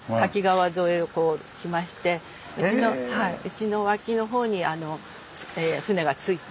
うちの脇のほうに舟が着いて。